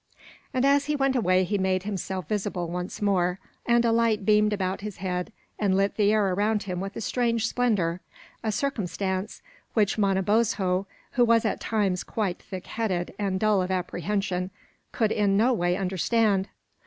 And as he went away he made himself visible once more, and a light beamed about his head and lit the air around him with a strange splendor; a circumstance which Manabozho, who was at times quite thick headed and dull of apprehension, could in no way understand.